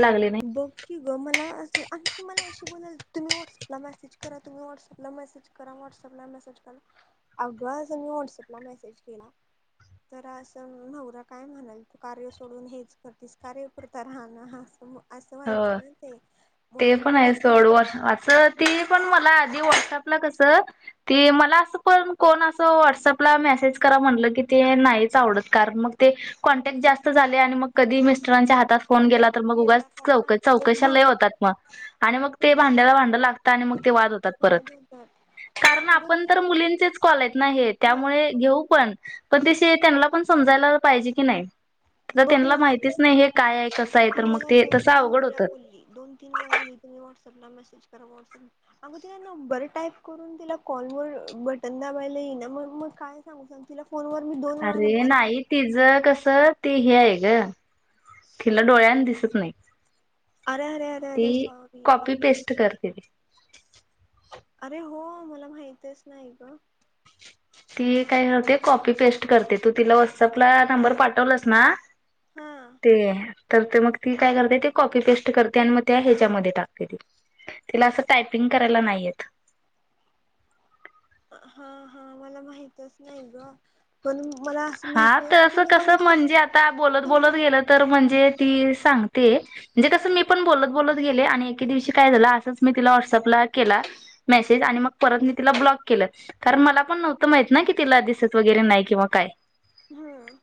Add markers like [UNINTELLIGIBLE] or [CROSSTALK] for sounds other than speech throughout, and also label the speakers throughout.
Speaker 1: लागले नाही.
Speaker 2: बंग! की ग मला. तुमलाशी बला तम्ही व्हॉट्सपला मसे क तुम्ही व्हटसअपला मेसेज करा व्हॉटसअपला मेसेज करा अगं अस मी व्हॉट्सअपला मेसेज केला. तर असं नवरा काय म्हणाल तू कार्य सोडून हेच करतेस कार्य पुरता राहा ना ह अस.
Speaker 1: हो ते पण
Speaker 2: मी
Speaker 1: आहे
Speaker 2: काय
Speaker 1: सोड
Speaker 2: केलं
Speaker 1: वर् ती पण म. आधी व्हाट्सअप कसं ते मला पण असं म्हटलं कोण असं व्हाट्सअप ला मेसेज करा असं म्हटलं. ते किती वेळा नाही कार ते कॉन्टॅक्ट जास्त झाले मग मग कधी. हयांच्या हातात फोन
Speaker 2: आता
Speaker 1: केला तर मग उगाच.
Speaker 2: गेला काय
Speaker 1: चौक
Speaker 2: सांग उगच
Speaker 1: चौकशाला
Speaker 2: भांडते
Speaker 1: होतात मग आणि मग ते भांड्याला भांड लागत आणि मग ते वाद होतात परत.
Speaker 2: वाद होतात आणि
Speaker 1: कारण
Speaker 2: अगं
Speaker 1: आपण
Speaker 2: ते
Speaker 1: तर मुलींचेच कॉलत नाही त्यामुळे घेऊ पण पण ते. पण समजायला पाहिजे की नाही तर
Speaker 2: बघ ना
Speaker 1: त्यांना
Speaker 2: आज
Speaker 1: माहितीच
Speaker 2: ती मला
Speaker 1: नाही हे काय आहे कसं आहे
Speaker 2: ती
Speaker 1: तर मग.
Speaker 2: मला
Speaker 1: ते
Speaker 2: दोन
Speaker 1: तसं
Speaker 2: तीन
Speaker 1: अवघड
Speaker 2: वेळा
Speaker 1: होतं
Speaker 2: बोलली दोन तीन वेळा बोलली तुम्ही. नंबर टाईप करून दिला कॉल वर बटन दाबायला. ना मग मग काय सांगू सांग तिला? फोनवर मी दोन वेळा
Speaker 1: अरे
Speaker 2: नंबर
Speaker 1: नाही
Speaker 2: सांगितला
Speaker 1: तिझं कस. ते हे आहे ग तिला डोळ्याने दिसत नाही.
Speaker 2: अरे अरे अरे
Speaker 1: ते
Speaker 2: अरे सॉरी
Speaker 1: कॉपी
Speaker 2: मला माहित
Speaker 1: पेस्ट करते.
Speaker 2: अरे हो मला माहितच नाही ग.
Speaker 1: ती काय करते कॉपी पेस्ट करते तू तिला व्हॉट्सअपला नंबर पाठवलास ना
Speaker 2: हा
Speaker 1: ते तर ते मग ती काय करते ते कॉपी पेस्ट करते आणि मग ते ह्याच्यामध्ये टाकते. तिला असं टायपिंग करायला नाही येत.
Speaker 2: हा हा मला माहितच नाही ग पण मला असं
Speaker 1: हा
Speaker 2: माहिती आणि
Speaker 1: तर
Speaker 2: तिने
Speaker 1: कस
Speaker 2: पण मला
Speaker 1: म्हणजे आता बोलत
Speaker 2: तिने
Speaker 1: बोलत गेलं तर म्हणजे ती सांगते म्हणजे कसं मी पण बोलत बोलत गेले आणि एके दिवशी काय झाला असं मी तिला व्हॉट्सअपला व्हाट्सअप ला केला मेसेज आणि परत तिला ब्लॉक केलं कारण मला हे पण नव्हता माहिती कितीला दिसत नाही. दिसत वगैरे नाही किंवा काय
Speaker 2: हम्म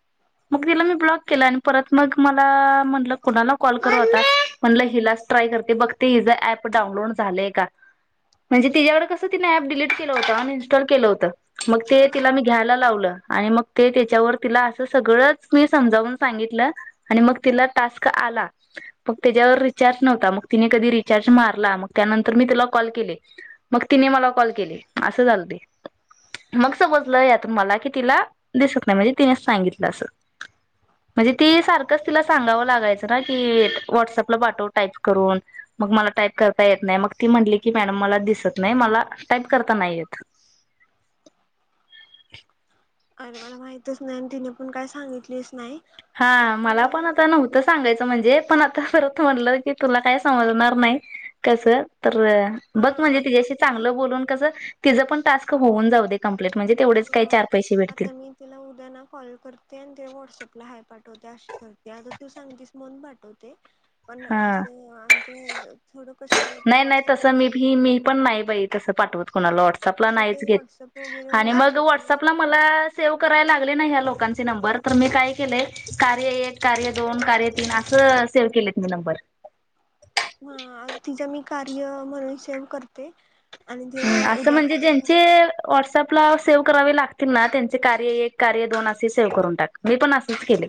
Speaker 1: मग तिला ब्लॉक केला. परत मग मला म्हणाल कुणाला कॉलता म्हणल हिलाच ट्राय करते बघते प डाउनलोड झालेय का? म्हणजे तिच्याकडे कसं तिने ऍप डिलीट केलं होत अनइन्स्टॉल केलं होतं. मग ते
Speaker 2: हा
Speaker 1: तिला मी घ्यायला लावलं आणि मग ते त्याच्यावर तिला असं सगळंच मी समजावून सांगितलं आणि मग तिला टास्क आला. मग त्याच्यावर रिचार्ज नव्ह मग ति कधी रिच् मारला मग त्यानंतर मी तला कॉल के मग तिने मला कॉल केली असं झालं ते मग समजलं यातून मला की तिला दिसत नाही म्हणजे तिने सांगितलं असं. म्हणजे ती सारखंच तिला सांगाव लागायचं ना की वॉटसअपला पाठव टाईप करून. मग मला टाईप करता येत नाही मग ती म्हटली की मॅडम मला दिसत नाही मला टाईप करता नाही येत. [INAUDIBLE]
Speaker 2: अरे मला माहितच नाही आणि तिने पण काय सांगितलीच नाही.
Speaker 1: हा मला पण
Speaker 2: आणि
Speaker 1: आता नव्हतं सांगायचं म्हणजे पण आता परत म्हटलं की तुला काय समजणार नाही कसं तर
Speaker 2: हा
Speaker 1: बघ म्हणजे
Speaker 2: आता मी
Speaker 1: तिच्याशी
Speaker 2: तिला
Speaker 1: चांगलं बोलून कसं तिचं पण टास्क होऊन जाऊ दे. कंप्लीट म्हणजे
Speaker 2: अ
Speaker 1: तेवढेच काही चार पैसे भेटतील
Speaker 2: आता मी तिला उद्या ना कॉल करते आणि ते व्हॉट्सअपला हाय पाठवते. करते आता तू सांगतेस मन पाठवते पण
Speaker 1: हा
Speaker 2: असं आमच्या थोड
Speaker 1: नाही नाही तसं मीी मी पण नाही बाई तस पाठवत. कोणाला व्हॉट्सअपला
Speaker 2: तसं
Speaker 1: नाहीच
Speaker 2: ते
Speaker 1: घेत
Speaker 2: व्हॉट्सअप वगैरे
Speaker 1: आणि
Speaker 2: होत
Speaker 1: मग व्हॉट्सअपला
Speaker 2: गेल्यावर
Speaker 1: मला सेव्ह करायला लाग लो नंर मी काय केलं कार्य एक कार्य दोन कार्य तीन अस सेव केलं. [UNINTELLIGIBLE] नंबर
Speaker 2: हा आ तिचां मी कार्य म्हणून सेव करते. आणि तिला
Speaker 1: असं
Speaker 2: उद्या
Speaker 1: म्हणजे
Speaker 2: कॉल
Speaker 1: ज्यांचे
Speaker 2: करते
Speaker 1: वॉट्सअपला सेव करावे लागतील ना त्यांचे कार्य एक कार्य दोन असे सेव्ह करून टाक मी पण असेच केले.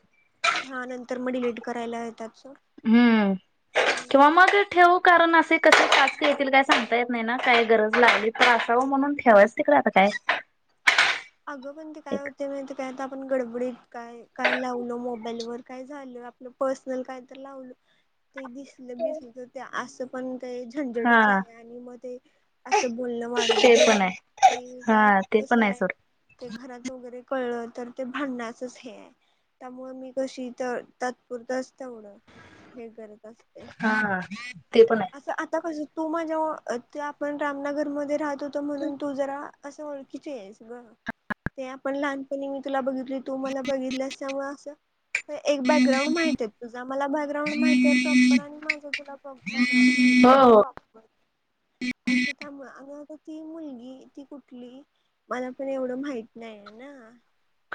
Speaker 2: हा नंतर मग डिलीट करायला येतात सोड
Speaker 1: हम्म
Speaker 2: हा
Speaker 1: किंवा मग ठेवू कारण असे कसे टास्क येतील काय सांगता येत नाही ना काय गरज लागली तर असावं म्हणून ठेवायच तिकडे आता काय. [UNINTELLIGIBLE]
Speaker 2: अगं पण ते काय
Speaker 1: एक
Speaker 2: होते मग ते काय आपण गडबडीत काय काय लावलं मोबाईल वर काय झालं आपलं पर्सनल काय तर लावलं. ते दिसलं दिसलं तर ते असं पण काही झंझटच
Speaker 1: हा
Speaker 2: आहे आणि मग ते असं बोलण वाढत
Speaker 1: ते
Speaker 2: गे
Speaker 1: पण
Speaker 2: म
Speaker 1: आहे
Speaker 2: ते काय. कसं आहे
Speaker 1: [UNINTELLIGIBLE]
Speaker 2: ते घरात वगैरे. कळल तर ते भांण्याचच हे आहे त्यामुळे मी कशी तर तातपुरत तेवढं हे करत असते.
Speaker 1: हा ते पण आहे
Speaker 2: असं आता कस तू माझे ते आपण रामनगर मध्ये राहत होतो म्हणून तू जरा असं ओळखीची आहेस गं ते आपण लहानपणी मी तुला बघित तू मला बघितलंस त्यामुळे असं एक बॅकग्राउंड माहित आहे तुझा मला बॅकग्राउंड माहती आहे प्रॉपर आणि माझ तुला प्राॅपर बॅकग्राउंड माहिती आहे ना
Speaker 1: हो हो
Speaker 2: फ्लोटर. असं त्यामुळ ती मुलगी ती कुठली मला पण एवढं माहित नाहीय ना.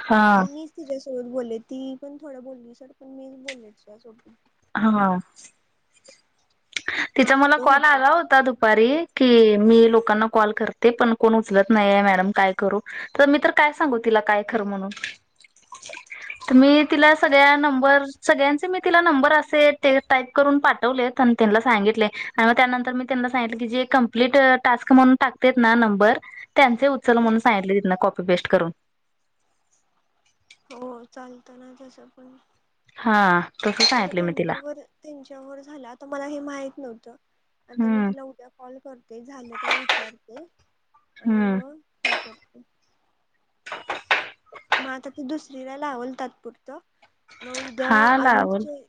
Speaker 1: हा
Speaker 2: आणि मीच तिच्या्यासोबत बोलले ती पण थोड बोली सोड पण मीच बोलले तिच्यासोबत.
Speaker 1: हा. तिचा
Speaker 2: मग
Speaker 1: मला
Speaker 2: असं
Speaker 1: कॉल
Speaker 2: होतं
Speaker 1: आला होता दुपारी कि मी लोकांना कॉल करते पण कोण उचलत नाहीये मॅडम काय करू तर मी तर काय सांगू तिला काय करु म्हणून. तुम्ही तिला सगळ्या नंबर सगळ्यांचे मी तिला नंबर असे ते टाईप करून पाठवलेत. त्यांना सांगितले आणि मग त्यानंतर मी त्यांना सांगितले की जे कंप्लीट टास्क म्हणून टाकतेत ना नंबर त्यांचे उचल म्हणून सांगितले तिथन कॉपी पेस्ट करून.
Speaker 2: हो चालतं ना तसं पण.
Speaker 1: हा. तसं
Speaker 2: आता
Speaker 1: सांगितले मी तिला
Speaker 2: त्यांच्यावर त्यांच्यावर झाला आता मला हे माहित नव्हतं. आता मी
Speaker 1: हम्म
Speaker 2: तिला उद्या कॉल करते झालं काय विचारते. आणि
Speaker 1: हम्म
Speaker 2: मग हे करते. मग आता ते दुसरीला लावल तात्पुरत मग उद्या
Speaker 1: हा
Speaker 2: अजून
Speaker 1: लावल
Speaker 2: तिचे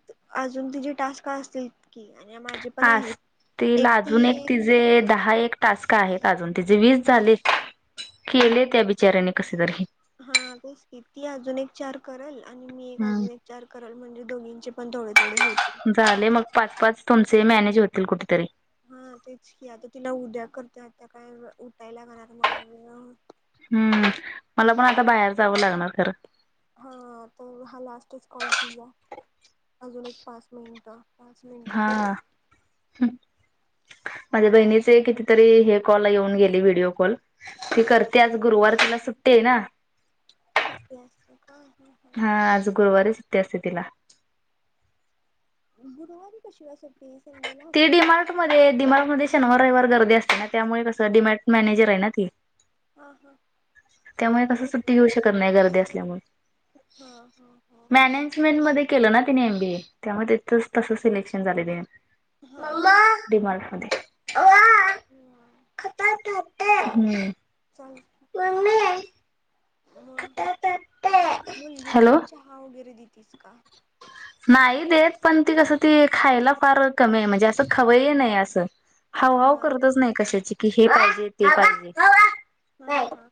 Speaker 2: अजून तिचे टास्क असतील. की आणि माझे पण
Speaker 1: आस
Speaker 2: आहेत
Speaker 1: तिला अजून एक तिजे दहा एक टास्क आहेत अजून तिचे वीस झाले केले त्या बिचाऱ्यांनी कसे तरी.
Speaker 2: हा तेच की ती अजून एक चार करेल आणि मी एक
Speaker 1: हम्म.
Speaker 2: अजून एक चार करल म्हणजे दोघींचे पण थोडे थोडे होतील.
Speaker 1: झाले मग पाच पाच तुमचे मॅनेज होतील कुठेतरी.
Speaker 2: हा तेच की आता तिला उद्या करते आता काय उठायला लागणार मला वेळ होत
Speaker 1: हम्म मला पण आता बाहेर जावं लागणार खरं.
Speaker 2: हा तर हा लास्टच कॉल तुझा अजून एक पाच मिनिटं. पाच मिनिट झाली.
Speaker 1: हा [INAUDIBLE] माझ्या बहिणीचे कितीतरी हे कॉल येऊन गेले व्हिडिओ कॉल ती करते आज गुरुवार तिला सु ट्टीये ना
Speaker 2: सुट्टी असते का ह ह.
Speaker 1: हा आज गुरुवारी सुट्टी असते तिला.
Speaker 2: गुरुवारी कशी काय सुट्टी? संडेला
Speaker 1: ती
Speaker 2: असायला
Speaker 1: डीमार्ट
Speaker 2: पाहिजे
Speaker 1: मध्ये डीमार्ट मध्ये शनिवार रविवार गर्दी अस ते ना त्यामुळे कसं डीमॅट मॅनेजर आहे ना ती.
Speaker 2: हा हा.
Speaker 1: त्यामुळे कस सुट्टी घेऊ
Speaker 2: गुरुवारी
Speaker 1: शकत नाही गर्दी असल्यामुळे.
Speaker 2: हा हा हा
Speaker 1: मॅनेजमेंट मध्ये केल ना एमबी ए त्यामुळे ते तस सिलेक्शन झाले ते.
Speaker 2: हा.
Speaker 1: मध्ये [UNINTELLIGIBLE]
Speaker 2: [INAUDIBLE]
Speaker 1: [UNINTELLIGIBLE] हम्म. मम्मे
Speaker 2: म मुलगीला
Speaker 1: हॅलो
Speaker 2: पण चहा वगैरे देतीस का?
Speaker 1: नाही देत पण ती कसं ती खायला फार कमी आहे म्हणजे असं खवयी नाही असं. हाव
Speaker 2: हा
Speaker 1: हाव करतच नाही कशाची की हे पाहिजे ते पाहिजे.
Speaker 2: हा हा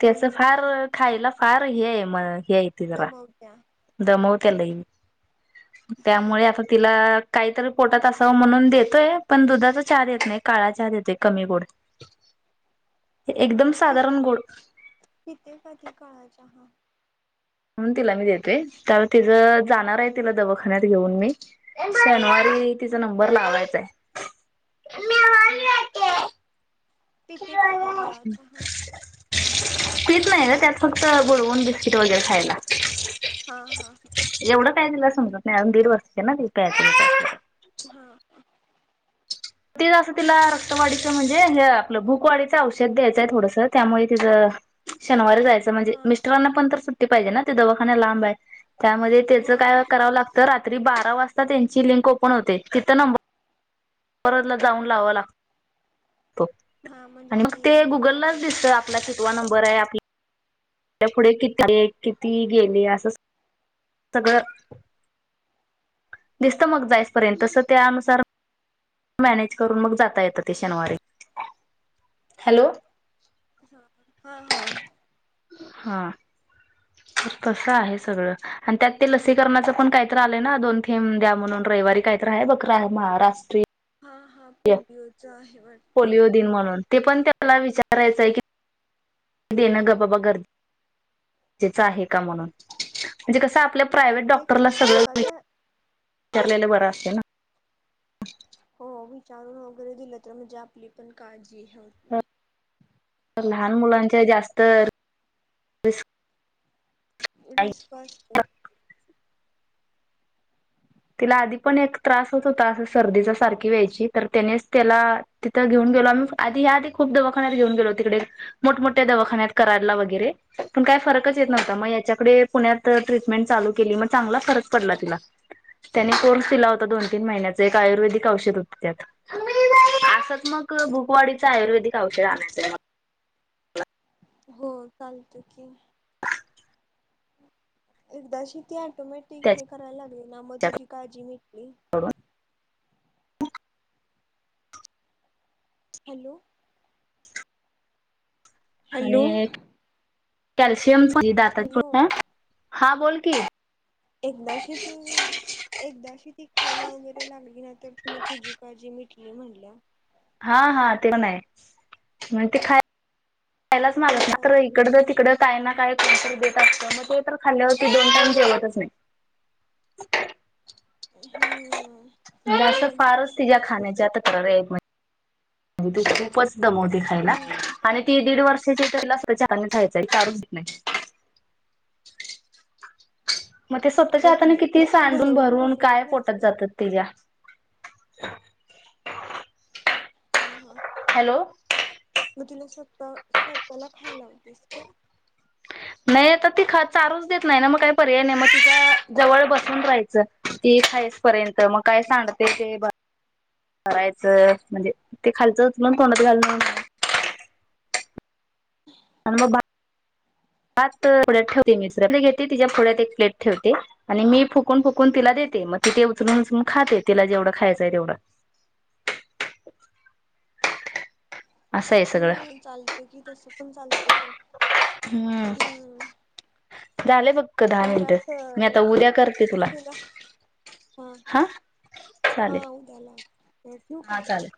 Speaker 1: त्याच
Speaker 2: म्हणजे
Speaker 1: फार
Speaker 2: कशी
Speaker 1: खायला फार हे आहे म हे आहे ते जरा
Speaker 2: दमवत्या
Speaker 1: दमवत्या लई
Speaker 2: हम्म
Speaker 1: त्यामुळे आता तिला काहीतरी पोटात असावं म्हणून देतोय पण दुधाचा चहा देत नाही काळा चहा देतोय कमी गोड एकदम
Speaker 2: हा पि
Speaker 1: साधारण गोड
Speaker 2: पिित कधी काळाच्या ह
Speaker 1: म्हणून तिला मी देतोय त्या तिच जाणार आहे तिला दवाखान्यात घेऊन मी शनवार तिचा
Speaker 2: हम्म
Speaker 1: नंबर लावायचा आहे
Speaker 2: तर
Speaker 1: क कच नाही ग त्यात फक्त बडवून बिस्किट वगैरे खायला
Speaker 2: हा हा ह
Speaker 1: दिला समजत नाहीून दीड वर्षची ना्या
Speaker 2: हा
Speaker 1: तेचं
Speaker 2: मग
Speaker 1: तिला
Speaker 2: तू असं ते
Speaker 1: रक्तवाढीचं म्हणजे आप भूकवाडीचं औषध द्यायचंय थोडस त्यामुळे ति शनवारी जायचं म्हणजे
Speaker 2: हा
Speaker 1: मिस्रांना पण तर सुट्टी पाहिजे ना ते दवाखाना लांब आहे त्यामध्ये त्याचं काय
Speaker 2: होय
Speaker 1: करावं लागतं रात्री बारा वाजता त्यांची लिंक ओपन होते तिथं नंबर परतला जाऊन लावा लागत हो
Speaker 2: हा म्हणजे
Speaker 1: आणि मग ते
Speaker 2: ऑनलाईन लावावा
Speaker 1: गुगललाच
Speaker 2: लागतो
Speaker 1: दिसत आपला किितवा नंबर आहे आपला त्या पुढे किती किती गेले असं सगळं दिसतं मग जायसपर्यंत तसं त्यानुसार मॅनेज करून मग जाता येतं ते शनिवारी हॅलो
Speaker 2: हा हा
Speaker 1: हा तस आहे सगळं आणि त्यात ते लसीकरणाच पण काहीत आलंय ना दोन थेम द्या म्हणून रविवारी काहीत आहे बघ महाराष्ट्रीय
Speaker 2: हा हा पोलिओच आहे वाटत
Speaker 1: पोलिओ दिन म्हणून ते पण त्याला विचारायचंय की देणं ग बाबा गरजजेचं आहे का म्हणून म्हणजे कसं आपल्या प्रायव्हेट
Speaker 2: ते काय
Speaker 1: डॉक्टरला सगळं
Speaker 2: सरकारी
Speaker 1: विचारलेलं बरं असते ना
Speaker 2: हो विचारून वगैरे दिलं तर म्हणजे आपली पण काळजी आहे होत नाही
Speaker 1: ना लहान मुलांच्या जास्त रि
Speaker 2: रिस्क अस असत
Speaker 1: तिला आधी पण एक त्रास होत होता सर्दीचा सारखी व्यायची तर त्यानेच त्याला तिथं घेऊन गेलो आ्ही आधी ह आध खूप दवाखान्यात घेऊन गेलो तिकडे मोठमठ्या दवाखान्यात करायला वगैरे पण काही फरकच येत
Speaker 2: हा
Speaker 1: नव्हता मग याच्याकडे पुण्यात ट्रीटमेंट चालू केली म चांगला खरज पडला तिला त्याने कोर्स दिला होता दोन तीन महिन्याच एक आयुर्वेदिक औषध होत त्यात असात मग भूकवाडीच आयुर्वेदिक औषध आण
Speaker 2: हो चालत की एकदाशी ते ऑटोमॅटिक हे
Speaker 1: त्याच्या
Speaker 2: करायला लागले ना मग तुझी काळजी मिटली हॅलो हॅलो
Speaker 1: आणि कॅल्शियम दात
Speaker 2: हॅलो
Speaker 1: हा बोल कीस
Speaker 2: एकदा शेती एकदाशी ती खायला वगैरे लागली ना तर मग तुझी काळजी मिटली म्हणल्या
Speaker 1: हा हा ते पण आहे मण ते खाय पयलाच मलात
Speaker 2: तिला काय
Speaker 1: मात्र इकड तिकड काय ना काय कोणतरी देत असत मग ते तर खाल्ल्यावर क दोन टाईम जेवतच नाही
Speaker 2: हम्म
Speaker 1: म असं
Speaker 2: मुलांच
Speaker 1: फारच तिच्या्या
Speaker 2: तसच असत
Speaker 1: खाण्याच्या आता करर आहेत म म्हज त खूपच दमवते खायला आणि ती दीड वर्ष ला खायच्या चारूच नाही मग ते स्वतःच्या
Speaker 2: तू
Speaker 1: हाताने किती
Speaker 2: तू
Speaker 1: सांडून
Speaker 2: भरव
Speaker 1: भरून
Speaker 2: भरवत
Speaker 1: काय
Speaker 2: नाहीस
Speaker 1: पोटत
Speaker 2: का
Speaker 1: जातात त्यािच्या [INAUDIBLE]
Speaker 2: हा हा
Speaker 1: हॅलो
Speaker 2: मग तुला स्वता स्वतला खायलावतेस का
Speaker 1: ह [INAUDIBLE] नाही तर ती ख चारूच देत नाही ना मग काही पर्याय नाही मग तिच्या जवळ बसून राहायचं ती खाय पर्यंत मग काय सांडते ते बरायचं म्हणजे ते खालचं पण तोंडात घाल म म बा हात फोड्यात ठेवते मि घेते तिच्या फोड्यात एक प्लेट ठेवते आणि मी फुकून फुकून तिला देते मग मग तिथे उचलून उचून खाते तिला जेवढं खायचंय तेवढा [INAUDIBLE]
Speaker 2: हो चालतं कि तसं पण चालतं सोड
Speaker 1: हम्म झाले बक्क दहा
Speaker 2: पण
Speaker 1: मिनटं
Speaker 2: ह्यात
Speaker 1: मी आता
Speaker 2: तुला
Speaker 1: उद्या करते तुला
Speaker 2: हा ह हा
Speaker 1: चालेल
Speaker 2: उदलाटू
Speaker 1: हा
Speaker 2: काय
Speaker 1: चालेल